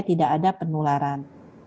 tidak ada penularan